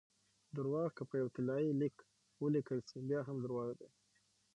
درواغ که په یو طلايي لیک ولیکل سي؛ بیا هم درواغ دي!